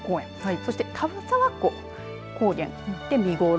そして田沢湖高原で見頃。